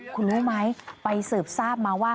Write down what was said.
คุณรู้ไหมไปสืบทราบมาว่า